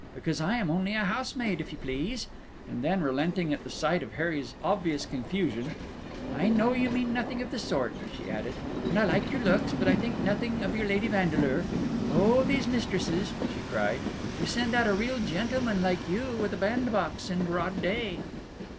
"Because I am only a housemaid, if you please." And then, relenting at the sight of Harry's obvious confusion, "I know you mean nothing of the sort," she added; "and I like your looks; but I think nothing of your Lady Vandeleur. Oh, these mistresses!" she cried. "To send out a real gentleman like you—with a bandbox—in broad day!"